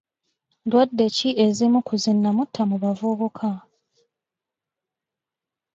Ndwadde ki ezimu ku zi nnamutta mu bavubuka?